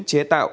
chế tăng mạnh mẽ